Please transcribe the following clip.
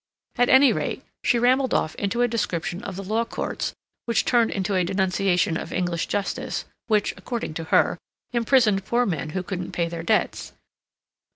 At any rate, she rambled off into a description of the Law Courts which turned to a denunciation of English justice, which, according to her, imprisoned poor men who couldn't pay their debts.